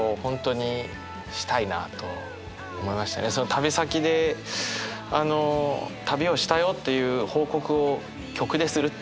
旅先であの旅をしたよという報告を曲でするっていう。